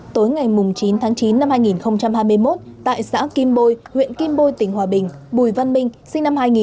tối ngày chín tháng chín năm hai nghìn hai mươi một tại xã kim bôi huyện kim bôi tỉnh hòa bình bùi văn minh sinh năm hai nghìn